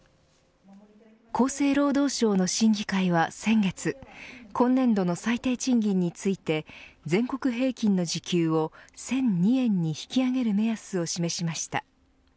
厚生労働省の審議会は先月、今年度の最低賃金について全国平均の時給を１００２円に引き上げる目安を示しました。